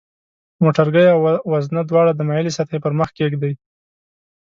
موټرګی او وزنه دواړه د مایلې سطحې پر مخ کیږدئ.